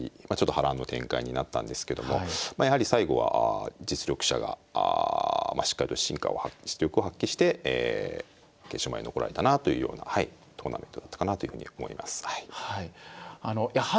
まあちょっと波乱の展開になったんですけどもやはり最後は実力者がしっかりと実力を発揮して決勝まで残られたなというようなトーナメントだったかなというふうに思います。